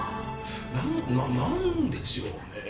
なんでしょうね？